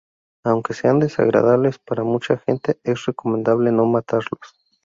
Aunque sean desagradables para mucha gente, es recomendable no matarlos.